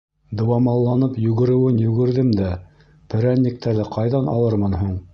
Дыуамалланып йүгереүен йүгерҙем дә, перәниктәрҙе ҡайҙан алырмын һуң?